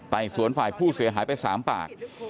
ใส่สะวนนี้ไป๓ปาก